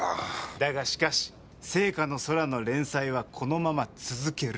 だがしかし『ＳＥＩＫＡの空』の連載はこのまま続ける。